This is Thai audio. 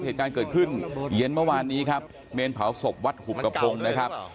เหตุการณ์เกิดขึ้นเย็นเมื่อวานนี้ครับเมนเผาศพวัดหุบกระพงนะครับ